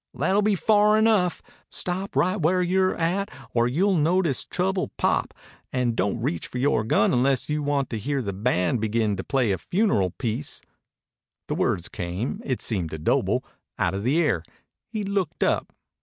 "That'll be far enough. Stop right where you're at or you'll notice trouble pop. And don't reach for yore gun unless you want to hear the band begin to play a funeral piece." The words came, it seemed to Doble, out of the air. He looked up.